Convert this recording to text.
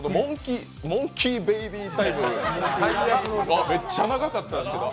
モンキーベイビータイム、めっちゃ長かったですけど。